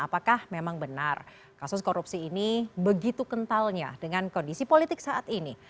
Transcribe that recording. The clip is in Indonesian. apakah memang benar kasus korupsi ini begitu kentalnya dengan kondisi politik saat ini